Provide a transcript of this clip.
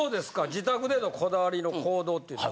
自宅でのこだわりの行動っていうのは。